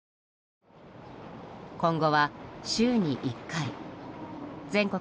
今後は週に１回全国